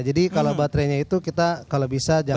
jadi kalau baterainya itu kita kalau bisa jangan sampai